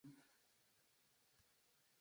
قدر مند منشي پۀ دېوان کښې